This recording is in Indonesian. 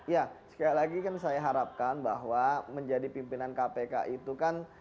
ya sekali lagi kan saya harapkan bahwa menjadi pimpinan kpk itu kan